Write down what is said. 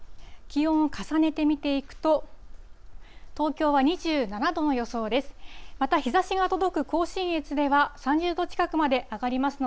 気温を重ねて見ていくと、東京は２７度の予想です。